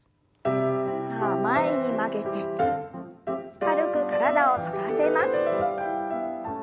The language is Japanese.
さあ前に曲げて軽く体を反らせます。